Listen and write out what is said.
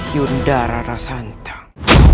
yunda rara santang